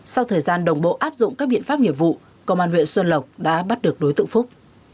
sau thời gian đồng bộ áp dụng các biện pháp nghiệp vụ công an huyện xuân lộc đã bắt được đối tượng phúc